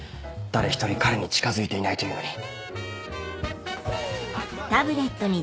誰ひとり彼に近づいていないというのに。